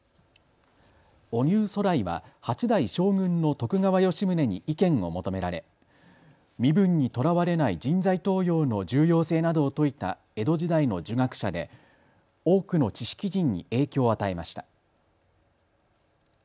荻生徂徠は８代将軍の徳川吉宗に意見を求められ身分にとらわれない人材登用の重要性などを説いた江戸時代の儒学者で多くの知識人に影響を与えました。